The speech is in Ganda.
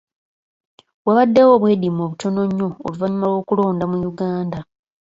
Wabaddewo obweddiimo butono nnyo oluvannyuma lw'okulonda mu Uganda.